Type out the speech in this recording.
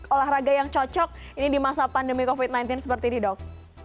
olahraga yang cocok ini di masa pandemi covid sembilan belas seperti ini dok